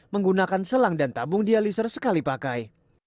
menggunakan selang dan tabung dialiser sekali pakai